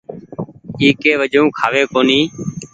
اي ڪي وجون کآوي ڪونيٚ ۔